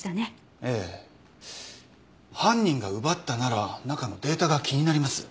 犯人が奪ったなら中のデータが気になります。